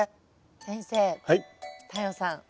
先生太陽さん